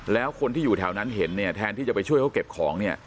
แล้วคนที่อยู่แถวนั้นเห็นเนี่ยแทนที่จะไปช่วยเขาเก็บของเนี่ย